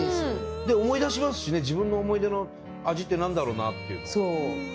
思い出しますしね自分の想い出の味って何だろうなっていうのを。